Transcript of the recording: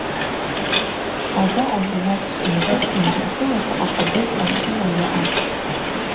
Ага азгӏва сщтӏанакӏызтынгьи сылаква акъвабыз ахьыла йаъапӏ.